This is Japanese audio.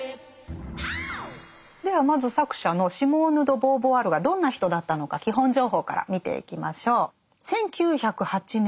ではまず作者のシモーヌ・ド・ボーヴォワールがどんな人だったのか基本情報から見ていきましょう。